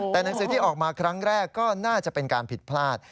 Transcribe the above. แต่หนังสือที่ออกมาครั้งแรกก็น่าจะเป็นการผิดพลาด